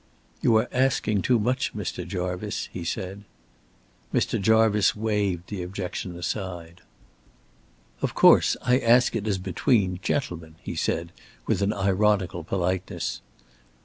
"You are asking too much, Mr. Jarvice," he said. Mr. Jarvice waved the objection aside. "Of course I ask it as between gentlemen," he said, with an ironical politeness.